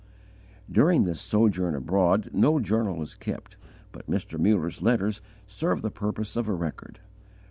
During this sojourn abroad no journal was kept, but Mr. Muller's letters serve the purpose of a record.